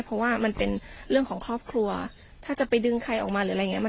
เพราะว่ามันเป็นเรื่องของครอบครัวถ้าจะไปดึงใครออกมาหรืออะไรอย่างเงี้